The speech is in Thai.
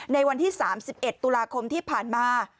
ในวันที่๓๑ตุลาคมที่ผ่านมา